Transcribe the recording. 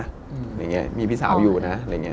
อย่างนี้มีพี่สาวอยู่นะอะไรอย่างนี้